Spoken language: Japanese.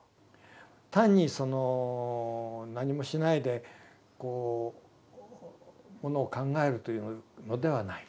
単にその何もしないでこうものを考えるというのではない。